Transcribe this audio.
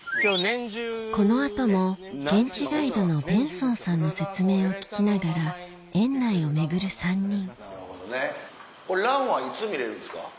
この後も現地ガイドのベンソンさんの説明を聞きながら蘭はいつ見れるんですか？